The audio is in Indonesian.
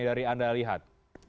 dari anda lihat